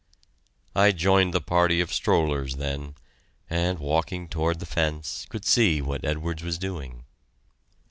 I joined the party of strollers then, and walking toward the fence, could see what Edwards was doing.